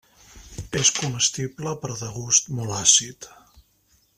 És comestible però de gust molt àcid.